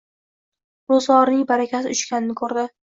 Roʻzgʻorining barakasi uchganini koʻrdi.